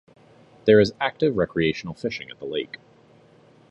There is active recreational fishing at the lake.